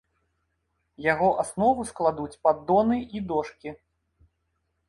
Яго аснову складуць паддоны і дошкі.